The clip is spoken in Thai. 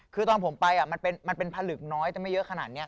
คือตอนผมไปมันเป็นผลึกน้อยแต่ไม่เยอะขนาดนี้